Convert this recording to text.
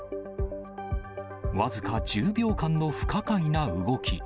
僅か１０秒間の不可解な動き。